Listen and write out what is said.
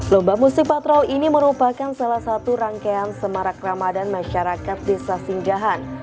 lomba musik patrol ini merupakan salah satu rangkaian semarak ramadan masyarakat desa singgahan